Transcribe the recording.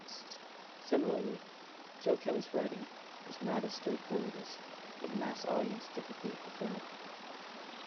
Similarly, Joe Kelly's writing was not as straightforward as a mass audience typically preferred.